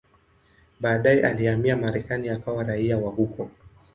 Baadaye alihamia Marekani akawa raia wa huko.